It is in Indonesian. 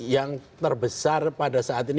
yang terbesar pada saat ini